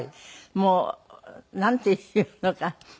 もうなんて言うのか。